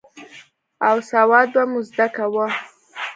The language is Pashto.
او سواد به مو زده کاوه.